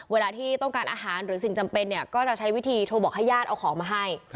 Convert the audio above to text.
เวลาที่ต้องการอาหารหรือสิ่งจำเป็นเนี่ยก็จะใช้วิธีโทรบอกให้ญาติเอาของมาให้